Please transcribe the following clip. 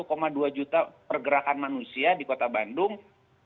jadi memang ada satu dua juta pergerakan manusia di perjalanan ini